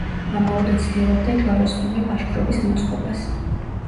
ამაოდ ცდილობდა ჯვაროსნული ლაშქრობის მოწყობას.